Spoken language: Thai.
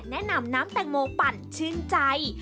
แนะนำน้ำแตงโมกปั่นชื่นใจ